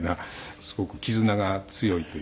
すごく絆が強いというか。